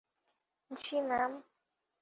জি, ma'am.